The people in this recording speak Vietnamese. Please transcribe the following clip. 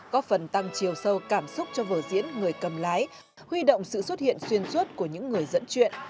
có phần tăng chiều sâu cảm xúc cho vở diễn người cầm lái huy động sự xuất hiện xuyên suốt của những người dẫn chuyện